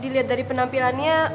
dilihat dari penampilannya